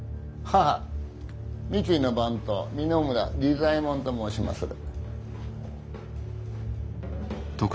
三井の番頭三野村利左衛門と申しまする。